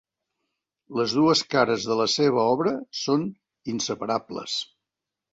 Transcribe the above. Les dues cares de la seva obra són inseparables.